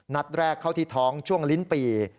นัดแรกเข้าที่ท้องช่วงลิ้นปี